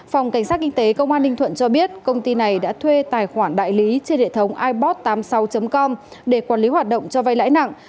phòng cảnh sát kinh tế công an ninh thuận cho biết công ty này đã thuê tài khoản đại lý trên hệ thống ibot tám mươi sáu com để quản lý hoạt động cho vay lãi nặng